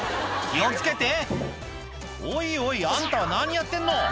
気を付けておいおいあんたは何やってんの？